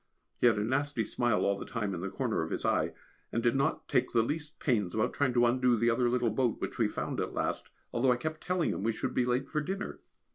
He had a nasty smile all the time in the corner of his eye, and did not take the least pains about trying to undo the other little boat which we found at last, although I kept telling him we should be late for dinner.